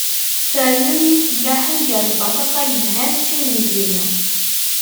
Fernen yifellaḥen gar lbaṭaṭa yelhan d tin n diri.